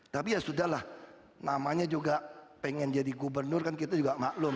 tapi ya sudah lah namanya juga pengen jadi gubernur kan kita juga maklum